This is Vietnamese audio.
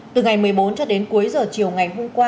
từ ngày một mươi bốn cho đến cuối giờ chiều ngày hôm qua